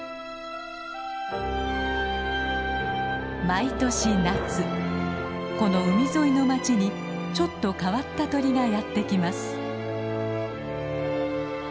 毎年夏この海沿いの町にちょっと変わった鳥がやって来ます。